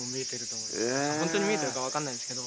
ホントに見えてるか分かんないんですけど。